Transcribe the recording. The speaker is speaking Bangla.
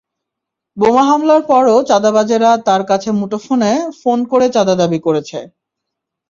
বোমা হামলার পরও চাঁদাবাজেরা তাঁর কাছে মুঠোফোনে ফোন করে চাঁদা দাবি করেছে।